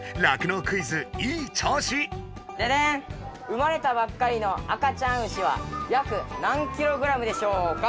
生まれたばっかりの赤ちゃん牛はやく何キログラムでしょうか？